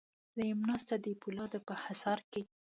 زه یم ناسته د پولادو په حصار کې